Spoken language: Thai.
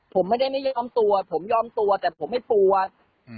ผมไม่ได้ไม่ยอมตัวผมยอมตัวแต่ผมไม่ปวดอืม